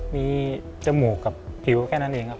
มีจมูกกับผิวแค่นั้นเองครับ